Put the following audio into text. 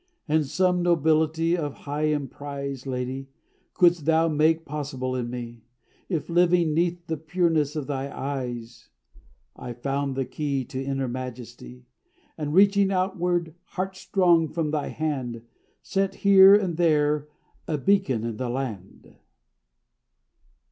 And some nobility of high emprise, Lady, couldst thou make possible in me; If living 'neath the pureness of thy eyes, I found the key to inner majesty; And reaching outward, heart strong, from thy hand, Set here and there a beacon in the land.